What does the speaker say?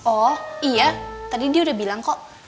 oh iya tadi dia udah bilang kok